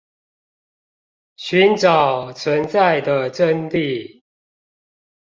尋找存在的真諦